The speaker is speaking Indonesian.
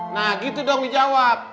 nah gitu dong dijawab